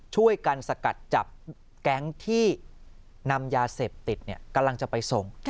ช่วยกันสกัดจับแก๊งที่นำยาเสพติดกำลังจะไปส่ง